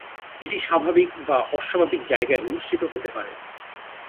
এটি স্বাভাবিক বা অস্বাভাবিক জায়গায় অনুষ্ঠিত হতে পারে।